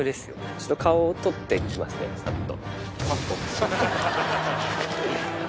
ちょっと、顔を撮ってきますね、ぱっと？